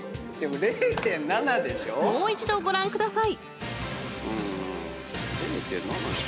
［もう一度ご覧ください］